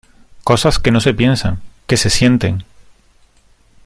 cosas que no se piensan, que se sienten.